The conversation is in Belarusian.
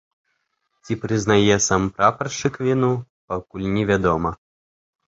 Ці прызнае сам прапаршчык віну, пакуль невядома.